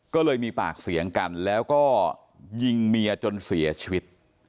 ก็เลยมีปากเสียงกันแล้วก็ยิงเมียจนเสียชีวิต